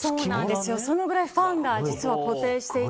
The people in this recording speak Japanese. そのぐらいファンが固定していて。